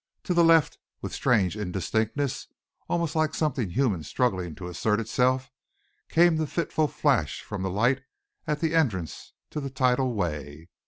To the left, with strange indistinctness, almost like something human struggling to assert itself, came the fitful flash from the light at the entrance to the tidal way.